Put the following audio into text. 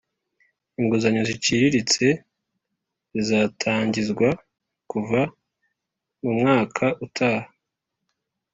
inguzanyo ziciriritse zizatangizwa kuva mu mwaka utaha